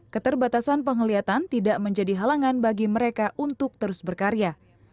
keterbatasan penglihatan tidak menjadi halangan bagi mereka untuk terus berkarya